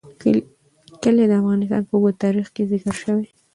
کلي د افغانستان په اوږده تاریخ کې ذکر شوی دی.